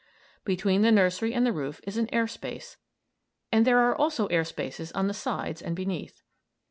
Between the nursery and the roof is an air space, and there are also air spaces on the sides and beneath.